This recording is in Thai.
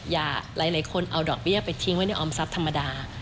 หลายคนเอาดอกเบี้ยไปทิ้งไว้ในออมทรัพย์ธรรมดา